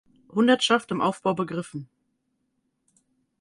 Hundertschaft im Aufbau begriffen.